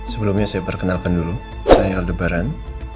sebelumnya saya perkenalkan dulu saya lebaran